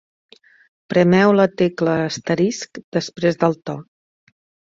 Premeu la tecla asterisc després del to.